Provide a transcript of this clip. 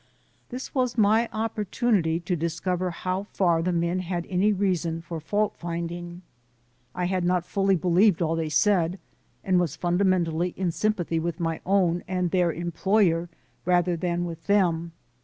This was my opportunity to discover how far the men had any reason for fault finding. I had not fully believed all they said and was funda mentally in sympathy with my own and their em ployer rather than with them.